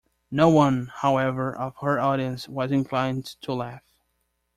No one, however, of her audience was inclined to laugh.